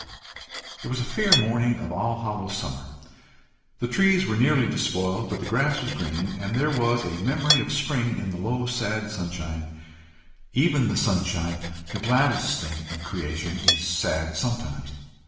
It was a fair morning of All Hallows' summer. The trees were nearly despoiled, but the grass was green, and there was a memory of spring in the low sad sunshine: even the sunshine, the gladdest thing in creation, is sad sometimes.